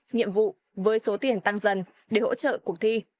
nhiệm vụ với số tiền tăng dần để hỗ trợ cuộc thi